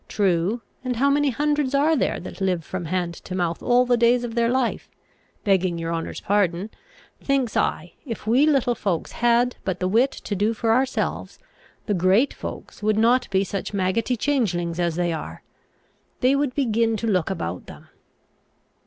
True; and how many hundreds are there that live from hand to mouth all the days of their life? (Begging your honour's pardon) thinks I, if we little folks had but the wit to do for ourselves, the great folks would not be such maggotty changelings as they are. They would begin to look about them.